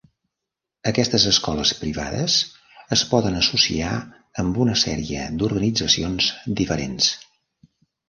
Aquestes escoles privades es poden associar amb una sèrie d"organitzacions diferents.